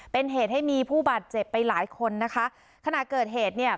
เป็นเหตุให้มีผู้บาดเจ็บไปหลายคนนะคะขณะเกิดเหตุเนี่ย